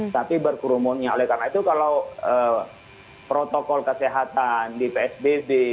tetapi berkurumun nya oleh karena itu kalau protokol kesehatan di psbb